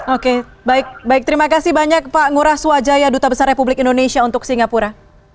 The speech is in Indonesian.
oke baik baik terima kasih banyak pak ngurah swajaya duta besar republik indonesia untuk singapura